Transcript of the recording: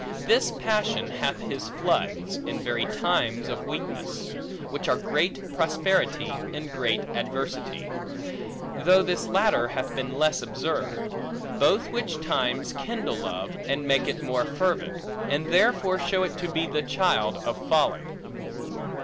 This passion hath his floods, in very times of weakness; which are great prosperity, and great adversity; though this latter hath been less observed: both which times kindle love, and make it more fervent, and therefore show it to be the child of folly.